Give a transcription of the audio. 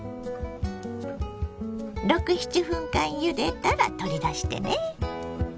６７分間ゆでたら取り出してね。